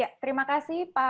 ya terima kasih pak